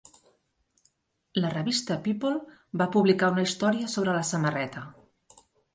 La revista People va publicar una història sobre la samarreta.